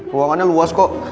ruangannya luas kok